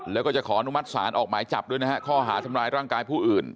แล้วก็จะขออนุมัติศาลออกหมายจับด้วยนะฮะข้อหาทำร้ายร่างกายผู้อื่น